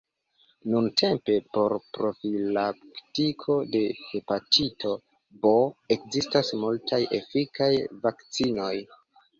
Nuntempe por profilaktiko de hepatito B ekzistas multaj efikaj vakcinoj.